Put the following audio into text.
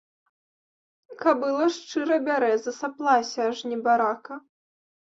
Кабыла шчыра бярэ, засаплася аж небарака.